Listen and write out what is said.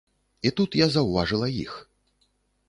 І тут я заўважыла іх.